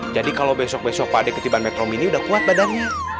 jadi kalau besok besok pak de ketiban metromini udah kuat badannya